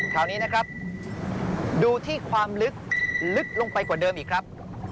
คราวนี้นะครับดูที่ความลึกลึกลงไปกว่าเดิมอีกครับ